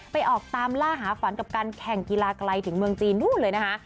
ออกตามล่าหาฝันกับการแข่งกีฬาไกลถึงเมืองจีนนู่นเลยนะคะ